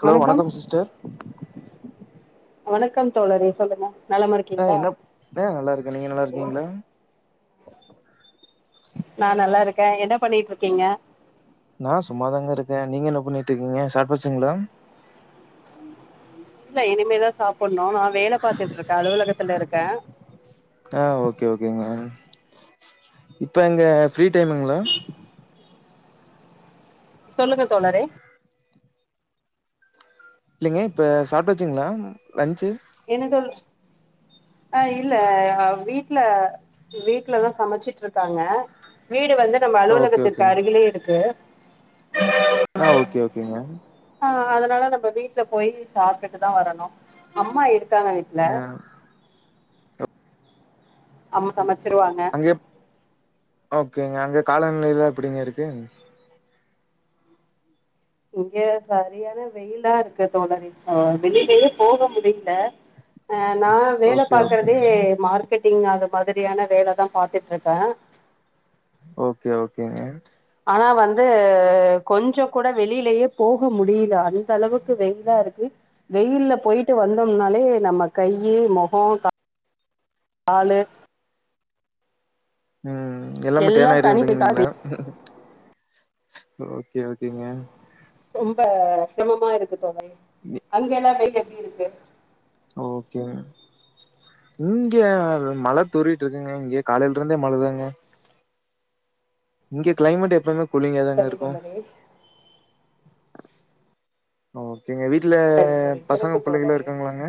Hello வணக்கம் sister வணக்கம் தோழர் சொல்லுங்க நலமா ஆ இருக்கீங்களா என்ன ஏ நல்லா இருக்க நீங்க நல்லா இருக்கீங்ளா நா நல்லா இருக்க என்ன பண்ணிட்டு இருக்கீங்க நா சும்மாதாங்க இருக்க நீங்க என்ன பண்ணிட்டு இருக்கீங்க சாப்டாச்சுங்ளா இல்ல இனிமேதா சாப்பணு நா வேல பாத்துட்டு இருக்க அலுவலகத்துல இருக்க ஆ ஓகே ஓகேங்க இப்ப எங்க ஃப்ரீ டைமுங்ளா சொல்லுங்க தோழரே இல்லைங்க இப்ப சாப்டாச்சுங்ளா லன்சு என்ன தோழர் அ இல்ல வீட்ல வீட்லதா சமச்சிட்ருக்காங்க வீடு வந்து நம்ம ஓகே அலுவலகத்திற்கு ஓகேங்க அருகிலேயே இருக்கு ஆ ஓகே ஓகேங்க ஆ அதனால நம்ம வீட்ல போய் சாப்டுட்டு தா வரணு அம்மா எ க்கான வீட்ல ஆ அம்மா சமச்சிருவாங்க அங்க ஓகேங்க அங்க காலநிலைலா எப்டிங்க இருக்கு இங்கெ சரியான வெயிலா இருக்கு தோழரே வெளிலையே போக முடிய்ல ஆ நா வேல ஓகே பாக்கறதே ஓகேங்க மார் க்கெட்டிங் அது மாதிரியான வேலதா பாத்துட்ருக்க ஓகே ஓகேங்க ஆனா வந்து கொஞ்சொ கூட வெளியிலயே போக முடிய்ல அந்த அளவுக்கு வெயிலா இருக் வெயில்ல போயிட்டு வந்தோம்னாலே நம்ம கையி மொகோ கா காலு ம் எல்லாமே எல்லா டேன் தனி பிடிக்காது ஆயிருதுதுங்ளா ஓகே ஓகேங்க ரொம்ப சிரமமா இருக்கு தோழர் அங்க எல்லா வெயில் எப்டி இருக்கு ஓகே இங்க மழ தூறிட்டு இருக்குங்க இங்க காலையில இருந்தே மழதாங்க இங்க க்ளைமேட் எப்பவுமே கூலிங்காதாங்க சரி இருக்கு தோழரே ஓகேங்க வீட்ல சரி சரி பசங்க சிறப்பு பிள்ளைக எல்லா தோழரே இருக்காங்களாங்க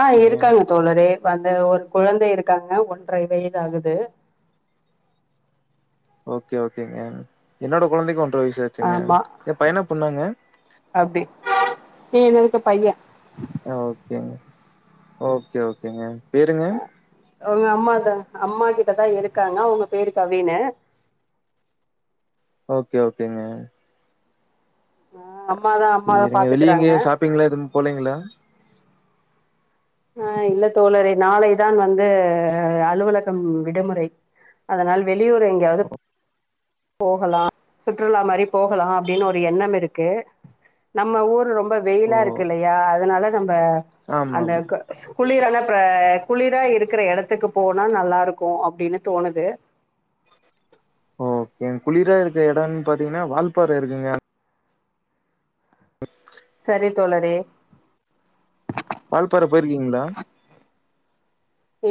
அ இருக்காங்க தோழரே இப்ப அந்த ஒரு குழந்தை இருக்காங்க ஒன்டரை வயது ஆகுது ஓகே ஓகேங்க என்னோட கொழந்தைக்கு வயசு ஆச்சுங்க ஆமா எ பையனா பொண்ணாங்க இ என்னதுக்க பையன் ஓகேங்க ஓகே ஓகேங்க பேருங்க அ அவ்ங்க அம்மாதா அம்மா கிட்டதா இருக்காங்க அவுங்க பேரு கவீனு ஓகே ஓகேங்க ஆ அம்மாதா அம்மாதா இருங்க வெளிய பாத்துக்கறாங்க எங்கயு ஷாப்பிங்ளா எதுவு போலங்கிளா அ இல்ல தோழரே நாளை தா வந்து அலுவலகம் விடுமுறை அதனால் வெளியூர் எங்கயாவ்து ஓ போகலா சுற்றுலா மாரி போகலா அப்டின்னு ஒரு எண்ணம் இருக்கு நம்ம ஊர் ரொம்ப ஓ. வெயிலா இருக்கு இல்லையா அதனால நம்ம அந்த ஆமாம் குளிரானா அ குளிரா இருக்கிற இடத்துக்கு போனா நல்லா இருக்கும் அப்டின்னு தோணுது ஓகே குளிரா இருக்க இடன் பாத்தீங்கன்னா வால்பாற இருக்குங்க சரி தோழரே வால்பாற போயிருக்கீங்களா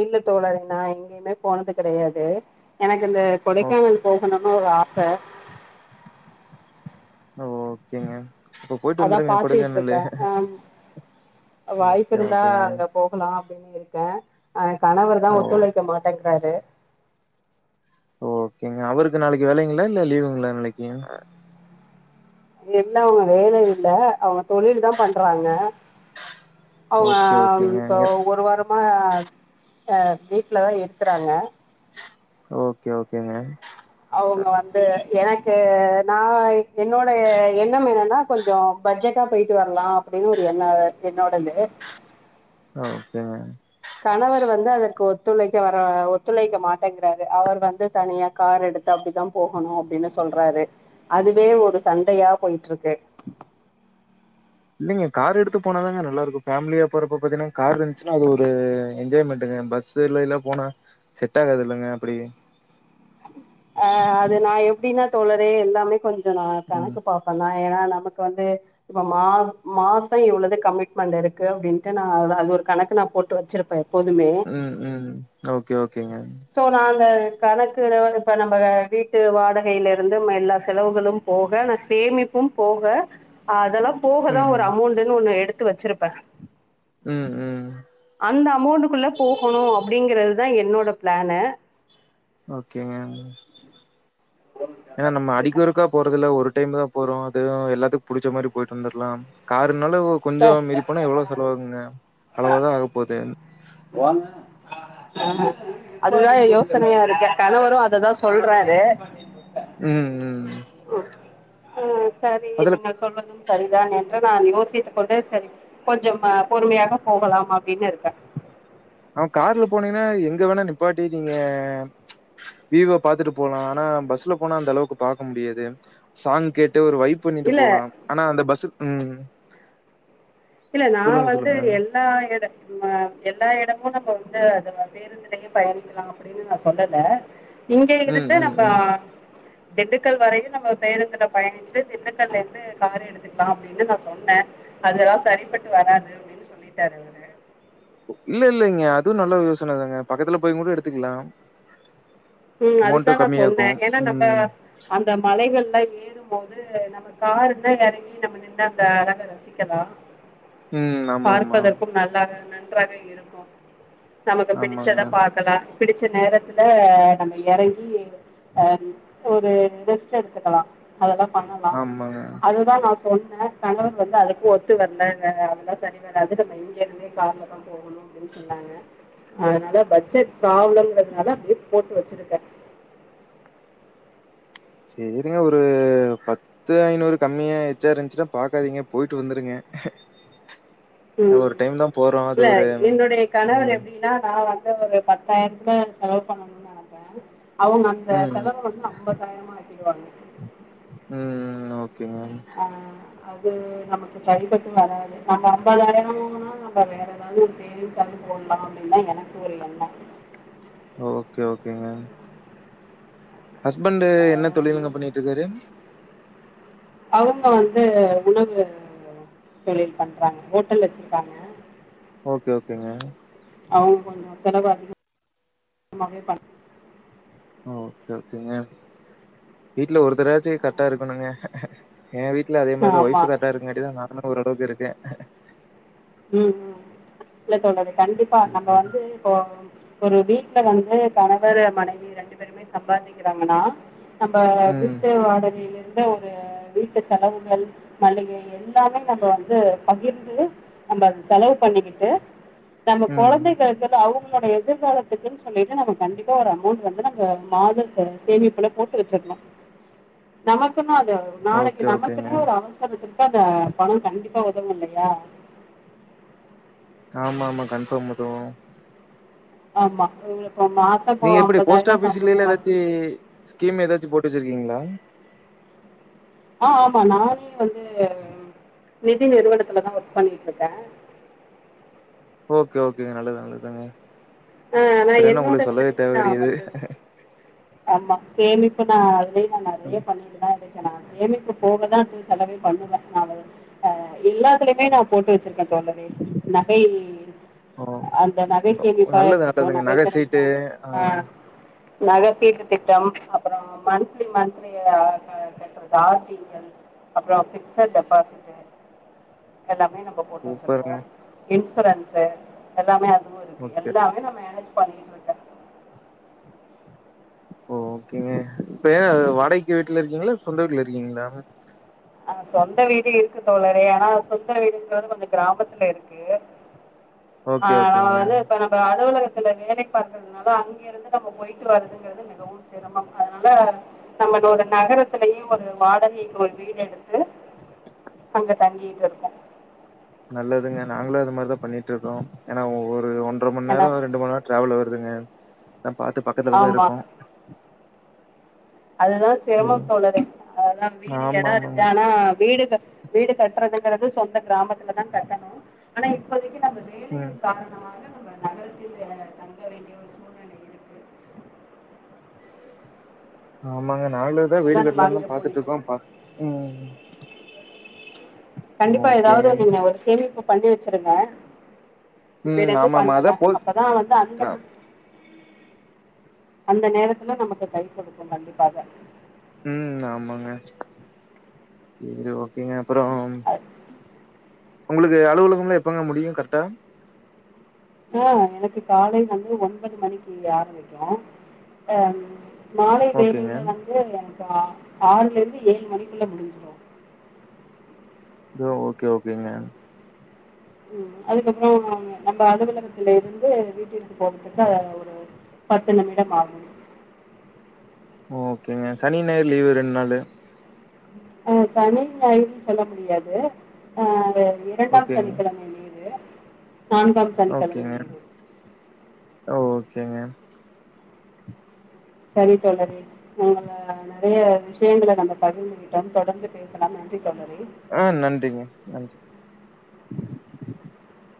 இல்ல தோழறினா எங்கேயுமே போனது கடையாது எனக்கு இந்தந்த ஓ கொடைக்கானல் போகணும்னு ஒரு ஆச ஓ ஓகேங்க அப்ப போயிட்டு அதா வந்துருங்க பாாத்துகுட்ருக்க கொடைக்கானலு அ வாய்ப்பு ஓகே இருந்தா ஓகேங்க அங்க போகலா அப்டின்னு இருக்க அ கணவர் தா ஓ ஒத்துழைக்க மாட்டேங்கிறாரு ஓகேங்க அவருக்கு நாளக் வேலங்ளா இல்ல லீவுங்ளா நாளக்கி எல்லா அவங்க வேல இல்ல அவங்க தொழில் தா பண்றாங்க அவ்ங்க ஓகே ஓகேங்க இப்போ எ ஒரு வாரமா அ வீட்லதா இருக்குறாங்க ஓகே ஓகேங்க அவ்ங்க வந்து என கு நா என்னோட எண்ணம் என்னன்னா கொஞ்சோ பட்ஜெட்டா போயிட்டு வரலா அப்டின்னு ஒரு என்ன என்னோடது ஓகேங்க கணவர் வந்து அதற்கு ஒ துழைக்க வர ஒத்துழைக்க மாட்டேங்கிறாரு அவர் வந்து தனியா கார் எடுத்து அப்டித்தா போகணு அப்டின்னு சொல்ல சொல்றாரு அதுவே ஒரு சண்டையா போயட்டு இருக்கு இல்லங்க கார் எடுத்து போனாதாங்க நல்லா இருக்கு ஃபம்லியா போறப்ப பாத்தீங்கன்னா கார் இருந்துச்சுன்னா அது ஒரு என்ஜாய்மெண்ட்ங்க பஸ்ஸு இல்ல எல்லா போனா செட் ஆகாது இல்லங்க அப்புடி அ அது நா எப்டினா தோழறே எல்லாமே கொஞ்ச நா ம் கணக்கு பாப்ப நா ஏன்னா ந க்கு வந்து இப்ப மா மாசம் இவ்வளவு கமிட்மெண்ட் இருக்கு அப்படின்ட்டு நா அது ஒரு கணக்கு நம் போட்டு வச்சிருப்பே எப்போதுமே ம் ம் ஓகே ஓகேங்க சோ நா அந்த கணக்கு இப்ப நம்ம வீட்டு வாடகையில இருந்து எல்லா செலவுகளு போக போக சேமிப்பு போக அதல்லா போகதா ம் ஒரு அமௌண்டன்னு ஒன்னு எடுத்து வச்சிருப்ப ம் ம் அந்த அமௌண்டக்குள்ள போகணு அப்டிங்கறது தா என்னோட ப்ளானு ஓகேங்க ஏன்னா நம்ம அடிக்கு ஒருக்கா போறதுல ஒரு டைம் தா போறோ அது எல்லாத்துக்கு புடிச்ச மாரி போயிட்டு வந்துர்லா கார் ன்னாலு கொஞ்ச மீறிப்போனா எவ்ளோ செலவாகுங்க அளவா தா ஆகப்போது வாங்க அ அதுதா யோசனையா இருக்கு கணவரு அததா சொல்றாரு ம் ம் ம் சரி அதுல நீங்கள் சொன்னது சரிதான் என்று நான் யோசித்து கொண்டு சரி கொஞ்சம் பொறுமையாக போகலாம் அப்டின்னு இருக்க ஆ கார்ல போனீங்கன்னா எங்க வேணா நிப்பாட்டி நீங்க வீவ பாத்துட்டு போலா ஆனா பஸ் போனால் அந்த அளவுக்கு பாக்க முடியாது சாங் கேட் டு ஒரு வைப் பண்ணிட்டு இல்ல போலா ஆனா அந்த பஸ்ஸு ம் இல்ல நா சொல்லுங்க வந்து சொல்லுங்க எல்லா எடம் எல்லா எடம் நம்ம வந்து அத பேருந்துலயே பயணிக்கலா அப்டின்னு நா சொல்லல இங்க ம் இருந்து ம் நம்ப ம் திண்டுக்கல் வரையும் நம்ம பேணத்துல பயணிச்சுட்டு திண்டுக்கல்ல இருந்து காரு எடுத்துக்கலாம் அப்டின்னு நா சொன்னே அதெல்லா சரிப்பட்டு வராது அப்டின்னு சொல்லிட்டாரு அவுரு இல்ல இல்ல இங்க அதுவும் நல்ல யோசன தாங்க பக்கத்துல போய கூட எடுத்துக்லா ம் அதுதா நா சொன்னே ஏன்னா நம்ம ம் அந்த மலைகள்லா ஏறும்போது து நம்ம காருன்னா எறங்கி நம்ம நின்று அந்த அழக ரசிக்கலா ம் ஆமாமா பார்ப்பதற்கும் நல்லாக நன் றாக இருக்கும் நமக்கு ஆமாங்க பிடிச்சதை பார்க்கலா பிடிச்ச நேரத்துல நம்ம எறங்கி அ ஒரு ரெஸ்ட் எடுத்துக்கலா அதெல்லா பண்ணலா ஆமாங்க அதுதா நா சொன்ன கணவர் வந்து அதுக்கு ஒத்து வரலை அதல்லா சரி வராது நம்ம இங்கேயருந்தே கார்ல் தா போகணு ப்டின் சொன்னாங்க அதனால பட்ஜெட் ப்ராளம்ளம்னால போ வச்சிருக்க சேரிங்க ஒரு பத்து ஐநூறு கம்மியா எச்சாரு இருந்துச்சுன்னா பாக்காதீங்க போயிட்டு வந்துருங்க ம் ஒரு டைம் தா போறோ அது இல்ல ஒரு என்னுடைய கணவர் ம் எப்டின்னா நா வந் ஒரு பத்தாயிரத்துல செலவு பண்ணணும்னு நெனைப்பே அவொங்கந்த ம் செலவ வந்து ஐம்பதாயிரமா ஆக்கிடுவாங்க உம் ஓகேங்க ஆ அது நமக்கு சரிபட்டு வராது நம்ம ஐம்பதாயிரோனா நம்ம வேற ஏதாவது சேவிங்ஸ் தாவது போட்லா அப்டின் தா எனக்கு ஒரு எண்ணொ ஓகே ஓகேங்க ஹஸ்பண்டூ என்ன தொழிலுங்க பண்ணிட்ருக்காரு அவுங்க வந்தூ உணவூ தொழில் பண்றாங்க ஹோட்டல் வச்சிருக்காங்க ஓகே ஓகேங்க அவுங் கொஞ்சோ செலவு அதிக மாவே பண் ஓகே ஓகேங்க வீட்ல ஒருத்தராச்சி கரெட்டா இருக்கணுங்க ஏ வீட்ல அதே மார்தா ஆமா ஒய்ஃபு கரெட்டா இருக்க காட்டிதா நானா ஓரளவுக்கு இருக்கே உம் ம் இல்ல தோழரே கண்டிப்பா நம்ம வந்து இப்போ ஒரு வீட்ல வந்து கணவரு மனைவி ரெண்டு பேருமே சம்பாதிக்கிறாங்கனா நம்ப ம், வீட்டு வாடகைலந் த ஒரூ வீட்டு செலவுகள் மளிகை எல்லாமே நம்ம வந்து பகிர்ந்து நம்ப அது செலவு பண்ணிக்கிட்டு நம்ம ம். குழந்தைகக்குது அவுங் ளோட எதிர்காலத்துக்குன் சொல்லிட்டு நம்ம கண்டிப்பா ஒரு அமௌண்ட் வந்து நங்க மாத ச சேமிப்புல போட்டு வச்சிர் நமக்குன்னத் த நாளைக்கு ஓகே, ஓகேங்க. நமக்குனே ஒரு அவசரத்திற்கந்த பணொ கண்டிப்பா உதவுல்லையா ஆமா ஆமா கண்ஃபாம்மதூ ஆமா [unintelligible] இப்போ நீங்க எப்டி போஸ்ட் ஐம்பதாயிரம் ஆபீஸிலைலா சம்பளம் வரும் எதாச்சி ஸ்கீம் எதாச்சி போட்டு வச்சிருக்கீங்ளா ஆ ஆமா நானே வந்தூ நிதி நிறுவனத்துலதா ஒர்க் பண்ணிட்ருக்கே ஓகே ஓகேங்க நல்லது நல்லதுங்க ஆஹ் நா அப்புறம் என்ன என்னோட உங்களுக்கு சொல்லவே இதுலயே தேவை நா கிடையாது. வந்து ஆமா சேமிப் புநா அதுலய் நா நெறையா ம். பண்ணிட்டுதா இருக் கெனா சேமிப்பு போகதா அடுத்தது செலவே பண்ணுவே நானு அ எல்லாத்துலயுமே நா போட்டு வெச்சிர்க்கே தோண்டமே நகை ஓ, அந்த நகை சேமிப்பார் நல்லது, டோ நல்லதுங்க. நகை கடன் சீட்டு தா ஆ ஆஹ் நக சீட்டு திட்டம் அப்றோ மன்த்லி மன்த்லி ஆ க கட்றது ஆர் டி [unintelligible] அப்றோ ஃபிக்ஸல் டெபாசிட்டு எல்லாம் மே நம்ம போட்டு வச்சிருக்கோ சூப்பருங்க. இன்சுரன்ஸு எல்லாமே அதுவு இருக்கு ஓகே. எல்லாமே நம் மேனேஜ் பண்ணிட்ருக்க ஓகேங்க இப்ப ஏ வாடகைக்கு வீட்ல இருக்கிங்ளா சொந்த வீட்ல இருக்கிங்ளா ஆ சொந்த வீடு இருக்கு தோழரே ஆனா சொந்த வீடுங்றது கொஞ்சொ கிராமத்துல இருக்கு [inaudible] ஓகே ஆஹ் வ ஓகேங்க. வந்து இப்ப நம்ம அலுவலகத் துல வேலை பாக்றதுனால அங்க இருந்து நம்ம பொயிட்டு வருதுங்றது மிகவு ம் சிரமம் அதனால நம்மளோட நகரத்திலயே ஒரு வாடகைக்கொல் வீடு எடுத்து அங்க தங்கீட்ருக்கோ நல்லதுங்க நாங்ளூ அது மாரிதா பண்ணிட்ருக்கோ ஏனா ஒவொ ரு ஒன்றமண் ஏன்னா நேரோ ரெண்டு மண் நேரோ ட்ரேவெல் வருதுங்க அதா பாத்து பக்கத்துலதா ஆமா இருக்கோ அதுதா சிரமம் தோழரே அதா வீடு ஆமா, எடோ இருக்கு ஆமாங்க. ஆனா வீடு கட் வீடு கட்றதுங்குறது சொந்த கிராமத்துல தா கட்டணு ஆனா இப்போதிக்கி நம்ம ம். வேலையின் காரணமாக நம்ப நகரத்தில்லே தங்க வேண்டிய ஒரு சூழ்நெல இருக்கு ஆமாங்க நானுதா வீடு அதா நம்ம கட்டுலாந்தா அங்க போயிட்டு பாத்துட்டு இருக்கோ பா உம் கண்டிப்பா ஏதாவது நீங்க ஒரு சேமிப்பு பண்ணி வச்சிருங்க இப்பேல ம். இருந்து ஆமாமா. பண்ணுங்க அதான் போல் அப்பதா வந்து அந்த அ அந்த நேரத்துல நமக்கு கை கொடுக்கு கண்டிப்பாக உம் ஆமாங்க சேரி ஓகேங்க அப்றோ அது- உங்களுக்கு அலுவலக எல்லா எப்பங்க முடியு கரெக்டா ஆ எனக்கு காலை வந்து ஒன்பது மணிக்கு ஆரம்பிக்கு அ மாலை ஓகேங்க. வேலையில வந்து ஆறுல இருந்து ஏழு மணிக்குள்ள முடிஞ்சிடு ஓகே ஓகேங்க உம் அதுக்கப்பறோ நம்ம அலுவலகத்துல இருந்து வீட்டிற்க்கு போறதுக்கு ஒரு பத்து நிமிடம் ஆகு ஓகேங்க சனி ஞாயிறு லீவு ரெண்டு நாளு அ சனி ஞாயிரு சொல்ல முடியாது ஆ இரண்டாம் ஓகேங்க, சனிக்கிழம லீவு நான்காம் சனிக்கிழம ஓகேங்க, லீவு ஓகேங்க சரி தோழரே நம்ப நிறைய விஷயங்கள நம்ப பகிர்ந்துகிட்டோ தொடர்ந்து பேசலா நன்றி தோழரே ஆ நன்றிங்க நன்றி